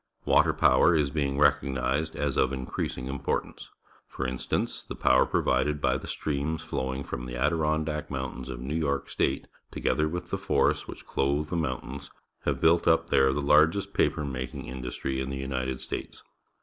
Water power is being recognized as of increasing importance. For instance, the power provided by the streams flowing from the Adirondack Moun tains of New York State, together with the forests which clothe the mountains, have built up there the largest paper making indus try in the United States.